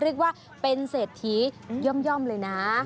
เรียกว่าเป็นเศรษฐีย่อมเลยนะ